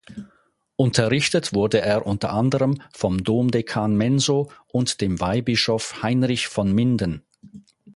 Unterrichtet wurde er unter anderem vom Domdekan "Menso" und dem Weihbischof "Heinrich von Minden".